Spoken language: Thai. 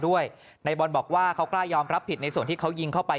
ในบอลบอกว่าเขากล้ายอมรับผิดในส่วนที่เขายิงเข้าไป